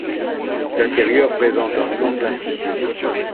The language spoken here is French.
L'intérieur présente un plan classique.